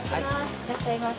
いらっしゃいませ。